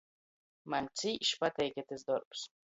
Maņ cīš pateik itys dorbs.